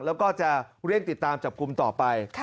แล้วก็จะเร่งติดตามจับกลุ่มต่อไป